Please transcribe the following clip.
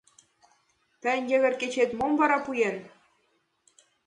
— Тыйын йыгыр кечет мом вара пуэн?